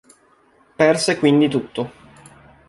Perse quindi tutto.